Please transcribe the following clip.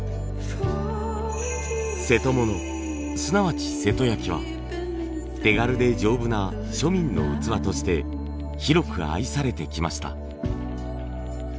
瀬戸物すなわち瀬戸焼は手軽で丈夫な庶民の器として広く愛されてきました。